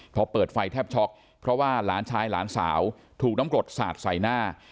พอเปิดไฟแทบช็อกเพราะว่าหลานชายหลานสาวถูกน้ำกรดสาดใส่หน้า